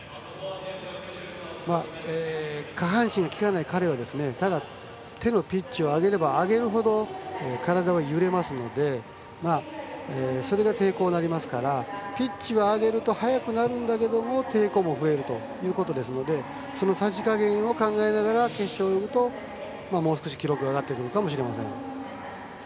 下半身がきかない彼は手のピッチを上げれば上げるほど体は揺れますのでそれが抵抗になりますからピッチを上げると速くなるんだけど抵抗も増えるのでそのさじ加減を考えながら決勝を泳ぐと、もう少し記録が上がってくるかもしれません。